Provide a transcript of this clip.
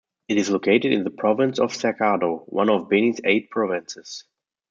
It is located in the province of Cercado, one of Beni's eight provinces.